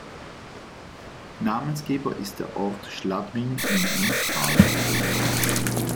Namensgeber ist der Ort Schladming im Ennstal.